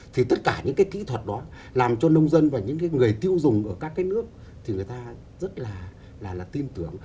thì tất cả những cái kỹ thuật đó làm cho nông dân và những cái người tiêu dùng ở các cái nước thì người ta rất là tin tưởng